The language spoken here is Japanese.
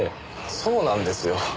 そうなんですよ。